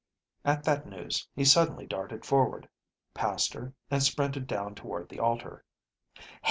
At that news, he suddenly darted forward, passed her, and sprinted down toward the altar.